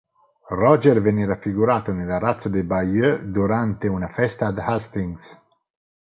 Roger venne raffigurato nell'arazzo di Bayeux durante una festa a Hastings.